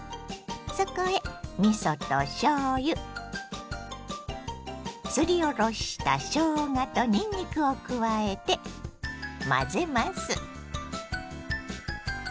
そこへみそとしょうゆすりおろしたしょうがとにんにくを加えて混ぜます。